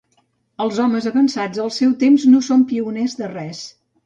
Els homes avançats al seu temps no són pioners de res.